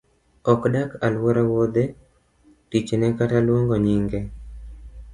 Ok dak aluor wuoth’e tichne kata luongo nyinge?